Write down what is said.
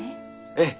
ええ。